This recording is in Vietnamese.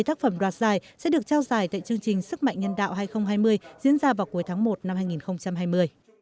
một mươi tác phẩm đoạt giải sẽ được trao giải tại chương trình sức mạnh nhân đạo hai nghìn hai mươi diễn ra vào cuối tháng một năm hai nghìn hai mươi